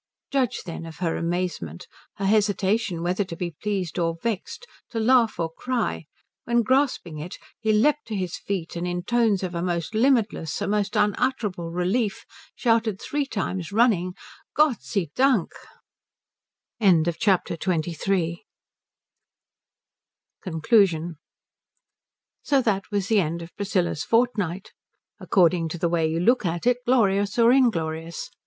Judge then of her amazement, her hesitation whether to be pleased or vexed, to laugh or cry, when, grasping it, he leaped to his feet and in tones of a most limitless, a most unutterable relief, shouted three times running "Gott sei Dank!" CONCLUSION So that was the end of Priscilla's fortnight, according to the way you look at it glorious or inglorious.